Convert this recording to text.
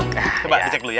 nah coba ngecek dulu ya